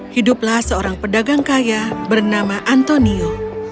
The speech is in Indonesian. hiduplah seorang pedagang kaya bernama antonio